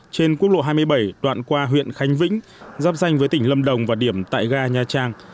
trên quốc lộ hai mươi bảy đoạn qua huyện khánh vĩnh giáp danh với tỉnh lâm đồng và điểm tại ga nha trang